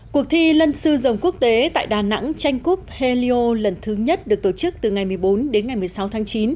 cuộc thi lân sư dòng quốc tế tại đà nẵng tranh cúp hellyo lần thứ nhất được tổ chức từ ngày một mươi bốn đến ngày một mươi sáu tháng chín